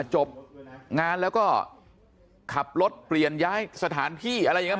จบงานแล้วก็ขับรถเปลี่ยนย้ายสถานที่อะไรอย่างนี้